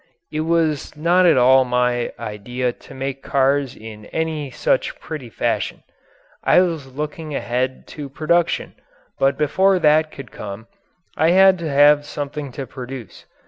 It was not at all my idea to make cars in any such petty fashion. I was looking ahead to production, but before that could come I had to have something to produce.